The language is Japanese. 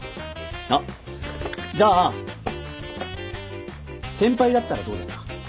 あっじゃあ先輩だったらどうですか？